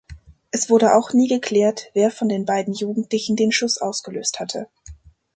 Es wurde auch nie geklärt, wer von den beiden Jugendlichen den Schuss ausgelöst hatte.